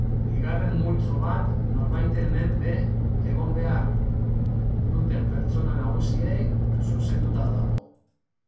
Bigarren multzo bat norbaiten menpe egon behar duten pertsona nagusiei zuzenduta dago.